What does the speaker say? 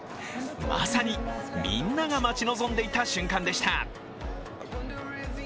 まさにみんなが待ち望んでいた瞬間でした。